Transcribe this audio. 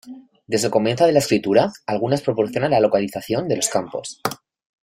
Desde el comienzo de la escritura algunas proporcionan la localización de los campos.